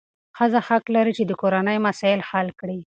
ښځه حق لري چې د کورنۍ مسایل حل کړي.